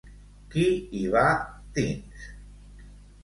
Qui hi va dins?